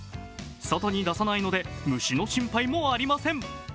外に出さないので虫の心配もありません。